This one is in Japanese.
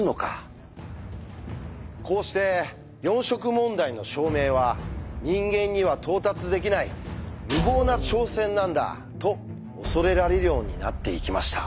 こうして四色問題の証明は人間には到達できない無謀な挑戦なんだと恐れられるようになっていきました。